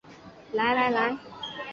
来来来